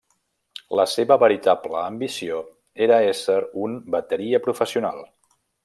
La seva veritable ambició era ésser un bateria professional.